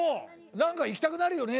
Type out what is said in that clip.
「何か行きたくなるよね」